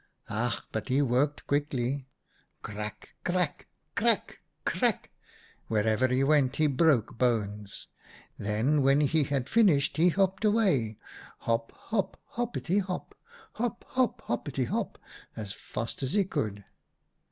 " Ach, but he worked quickly ! Crack ! crack, crack, crack ! Wherever he went he broke bones. Then when he had finished he hopped away, hop hop hoppity hop, hop hop hoppity hop, as fast as he could.